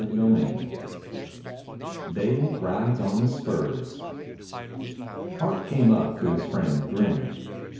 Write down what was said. CHAPTER III DAVE RIDES ON HIS SPURS Hart came up to his friend grinning.